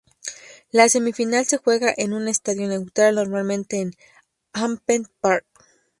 La Semifinal se juega en un estadio neutral, normalmente en Hampden Park.